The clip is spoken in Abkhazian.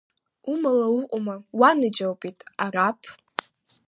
Умала уҟоума, уанаџьалбеит, Араԥ!